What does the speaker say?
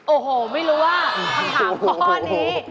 โอ้โหไม่รู้ว่าคำถามข้อนี้